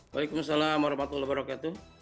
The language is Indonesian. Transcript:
waalaikumsalam warahmatullahi wabarakatuh